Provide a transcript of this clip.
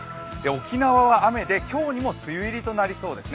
沖縄は雨で今日にも梅雨入りとなりそうです。